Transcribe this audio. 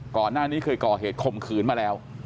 ก่อนหน้านี้เคยก่อเหตุคมขืนมาแล้ว